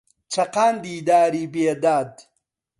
چەقاندی داری بێداد